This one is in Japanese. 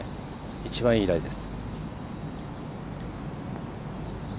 一番いいラインです。